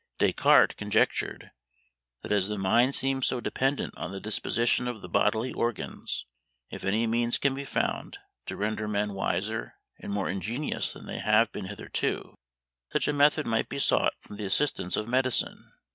Descartes conjectured, that as the mind seems so dependent on the disposition of the bodily organs, if any means can be found to render men wiser and more ingenious than they have been hitherto, such a method might be sought from the assistance of medicine.